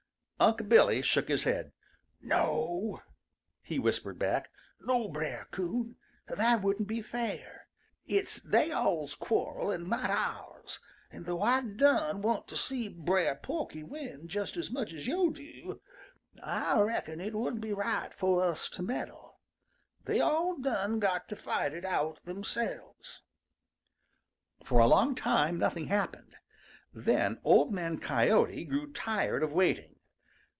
Unc' Billy shook his head. "No," he whispered back, "No, Brer Coon! That wouldn't be fair. It's they all's quarrel and not ours, and though Ah done want to see Brer Porky win just as much as yo' do, Ah reckon it wouldn't be right fo' us to meddle. They all done got to fight it out themselves." For a long time nothing happened. Then Old Man Coyote grew tired of waiting.